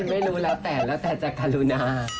ไม่รู้แล้วแต่แล้วแต่จะกรุณา